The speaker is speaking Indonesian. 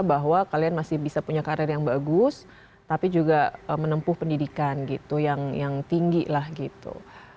bahwa kalian masih bisa punya karir yang bagus tapi juga menempuh pendidikan gitu yang tinggi lah gitu